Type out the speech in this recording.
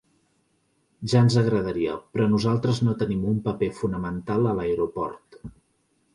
Ja ens agradaria, però nosaltres no tenim un paper fonamental a l’aeroport.